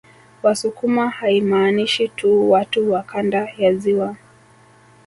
Wasukuma haimaanishi tu watu wa kanda ya ziwa